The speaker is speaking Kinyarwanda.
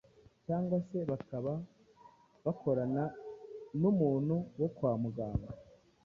cyangwa se bakaba bakorana n'umuntu wo kwa muganga